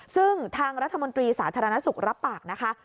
ซึ่งทางรัฐมนตรีสาธารณสุขรับปากนะคะ